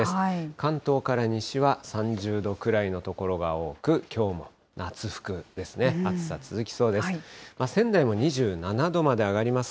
関東から西は３０度くらいの所が多く、きょうも夏服ですね、暑さ続きそうです。